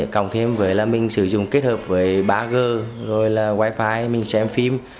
cộng thêm với là mình sử dụng kết hợp với ba g rồi là wifi mình xem phim